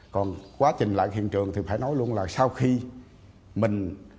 còn quá trình lại hiện trường thì phải nói luôn là sau khi mình